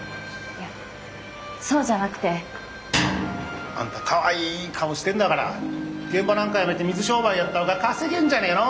いやそうじゃなくて。あんたかわいい顔してんだから現場なんかやめて水商売やった方が稼げんじゃねえの？